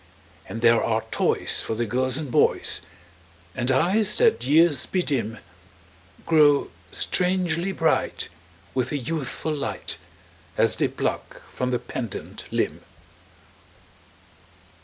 And there are toys for the girls and boys; And eyes that years bedim Grow strangely bright, with a youthful light, As they pluck from the pendant limb.